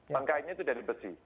pengkaitnya itu dari besi